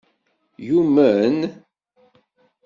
Yumen?